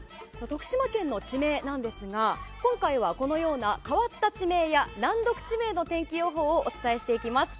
徳島県の地名なんですが今回はこのような変わった地名や難読地名の天気予報をお伝えしていきます。